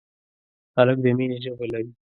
هلک د مینې ژبه لري.